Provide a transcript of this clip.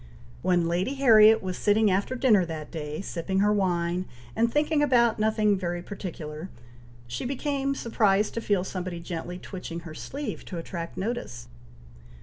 When Lady Harriet was sitting after dinner that day, sipping her wine, and thinking about no thing very particular, she became surprised to feel somebody gently twitching her sleeve to attract notice.